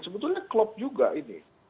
sebetulnya klop juga ini